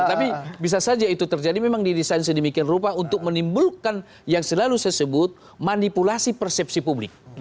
tapi bisa saja itu terjadi memang didesain sedemikian rupa untuk menimbulkan yang selalu saya sebut manipulasi persepsi publik